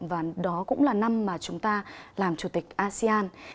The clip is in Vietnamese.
và đó cũng là năm mà chúng ta làm chủ tịch asean